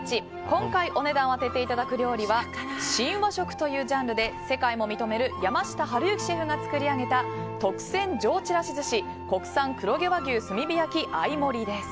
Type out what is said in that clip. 今回、お値段を当てていただく料理は新和食というジャンルで世界も認める山下春幸シェフが作り上げた特選上ちらし寿司国産黒毛和牛炭火焼合盛りです。